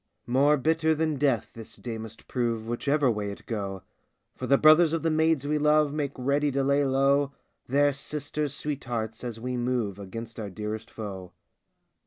More bitter than death this day must prove Whichever way it go, 156 Charles I For the brothers of the maids we love Make ready to lay low Their sisters' sweethearts, as we move Against our dearest foe.